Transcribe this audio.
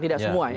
tidak semua ya